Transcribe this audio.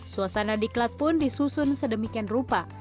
suasana diklat pun disusun sedemikian rupa